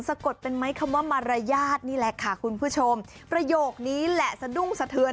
กดเป็นไหมคำว่ามารยาทนี่แหละค่ะคุณผู้ชมประโยคนี้แหละสะดุ้งสะเทือน